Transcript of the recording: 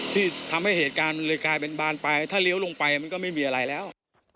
ที่ทำให้เหตุการณ์มันเลยกลายเป็นบานไปถ้าเลี้ยวลงไปมันก็ไม่มีอะไรแล้ว